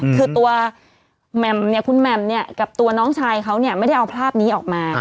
คือตัวแหม่มเนี่ยคุณแหม่มเนี่ยกับตัวน้องชายเขาเนี่ยไม่ได้เอาภาพนี้ออกมา